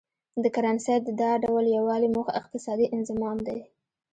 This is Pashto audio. د کرنسۍ د دا ډول یو والي موخه اقتصادي انضمام دی.